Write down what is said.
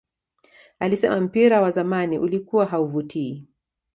Alisema mpira wa zamani ulikuwa hauvutii